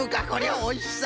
おいしそう！